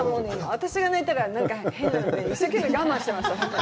私が泣いたら変なので、一生懸命、我慢してました。